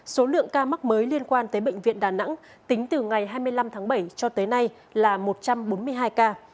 số lượng ca mắc mới liên quan tới bệnh viện đà nẵng tính từ ngày hai mươi năm tháng bảy cho tới nay là một trăm bốn mươi hai ca